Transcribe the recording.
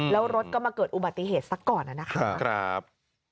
แล้วรถก็มาเกิดอุบัติเหตุสักก่อนนะครับ